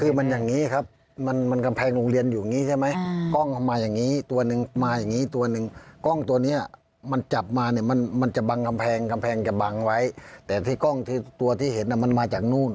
คือมันอย่างนี้ครับมันกำแพงโรงเรียนอยู่อย่างนี้ใช่ไหมกล้องเอามาอย่างนี้ตัวหนึ่งมาอย่างนี้ตัวหนึ่งกล้องตัวเนี้ยมันจับมาเนี่ยมันมันจะบังกำแพงกำแพงจะบังไว้แต่ที่กล้องที่ตัวที่เห็นมันมาจากนู่น